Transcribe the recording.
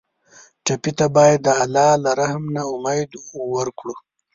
ټپي ته باید د الله له رحم نه امید ورکړو.